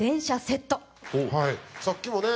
さっきもね